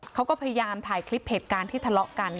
เขาก็พยายามถ่ายคลิปเหตุการณ์ที่ทะเลาะกัน